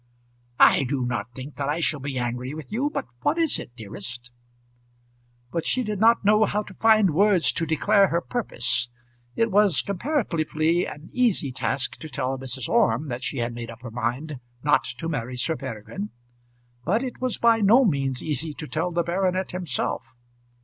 "I do not think that I shall be angry with you; but what is it, dearest?" But she did not know how to find words to declare her purpose. It was comparatively an easy task to tell Mrs. Orme that she had made up her mind not to marry Sir Peregrine, but it was by no means easy to tell the baronet himself.